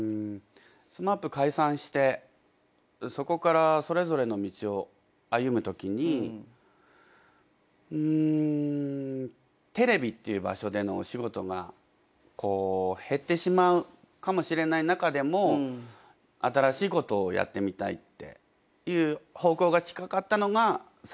ＳＭＡＰ解散してそこからそれぞれの道を歩むときにテレビっていう場所でのお仕事が減ってしまうかもしれない中でも新しいことをやってみたいっていう方向が近かったのが３人で。